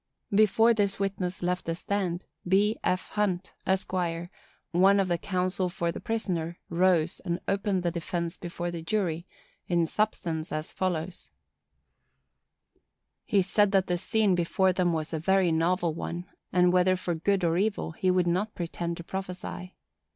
Before this witness left the stand, B. F. Hunt, Esq., one of the counsel for the prisoner, rose and opened the defence before the jury, in substance as follows: He said that the scene before them was a very novel one; and whether for good or evil, he would not pretend to prophesy.